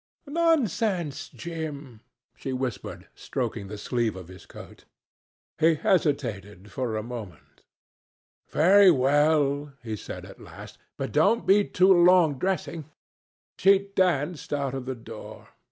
"Nonsense, Jim," she whispered, stroking the sleeve of his coat. He hesitated for a moment. "Very well," he said at last, "but don't be too long dressing." She danced out of the door.